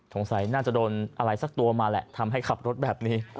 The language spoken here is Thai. สงสัยน่าจะโดนอะไรสักตัวมาแหละทำให้ขับรถแบบนี้